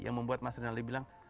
yang membuat mas rinaldi bilang